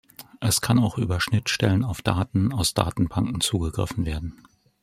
Es kann auch über Schnittstellen auf Daten aus Datenbanken zugegriffen werden.